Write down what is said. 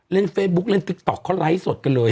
เล่นเฟซบุ๊กเล่นติ๊กต๊อกเขาไลฟ์สดกันเลย